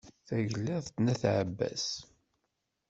Tagliḍt n at ɛebbas